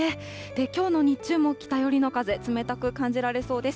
きょうの日中も北寄りの風、冷たく感じられそうです。